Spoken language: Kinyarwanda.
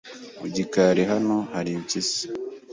Mu gikari Hano hari impyisi.